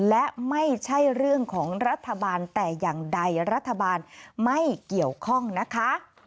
และไม่ใช่เรื่องของรัฐบาลแต่อย่างใดรัฐบาลไม่เกี่ยวข้องนะคะ